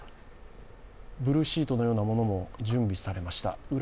ブルーシートのようなものも準備されました、